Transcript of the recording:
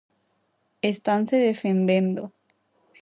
Estanse defendendo.